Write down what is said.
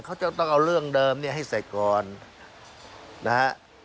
เขาจะต้องเอาเรื่องเดิมเนี่ยให้เสร็จก่อนนะฮะ